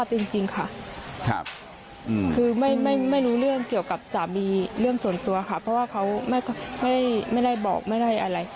จริงค่ะคือไม่รู้เรื่องเกี่ยวกับสามีเรื่องส่วนตัวค่ะเพราะว่าเขาไม่ได้บอกไม่ได้อะไร